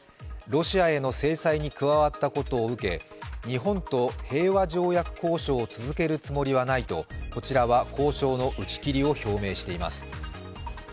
ロシアへの制裁に加わったことを受け日本と平和条約交渉を続けるつもりはないとこちらは交渉の打ち切りを表明しています。